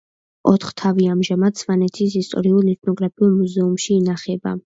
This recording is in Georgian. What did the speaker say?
ოთხთავი ამჟამად სვანეთის ისტორიულ-ეთნოგრაფიულ მუზეუმში ინახება.